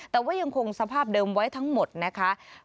แต่ว่ายังคงสภาพเดิมไว้ทั้งหมดนะคะ